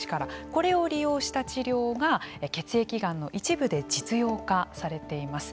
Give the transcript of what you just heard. これを利用した治療が血液がんの一部で実用化されています。